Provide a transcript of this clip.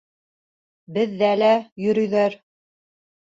Беҙҙә лә йөрөйҙәр.